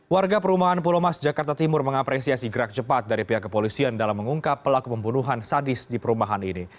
warga perumahan pulau mas jakarta timur mengapresiasi gerak cepat dari pihak kepolisian dalam mengungkap pelaku pembunuhan sadis di perumahan ini